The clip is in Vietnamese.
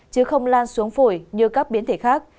chứ không lan xuống phổi như các biến thể khác